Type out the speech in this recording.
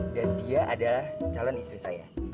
dan dia adalah calon istri saya